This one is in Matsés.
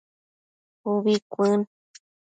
Ubi cuën